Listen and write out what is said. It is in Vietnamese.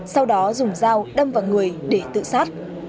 sau đó dùng dao đâm vào người để tự sát